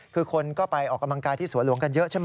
คือคนก็ไปออกกำลังกายที่สวนหลวงกันเยอะใช่ไหม